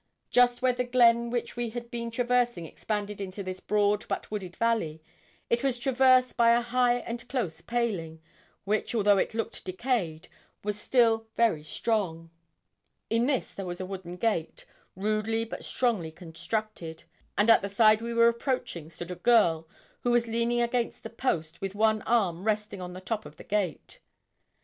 Just where the glen which we had been traversing expanded into this broad, but wooded valley, it was traversed by a high and close paling, which, although it looked decayed, was still very strong. In this there was a wooden gate, rudely but strongly constructed, and at the side we were approaching stood a girl, who was leaning against the post, with one arm resting on the top of the gate.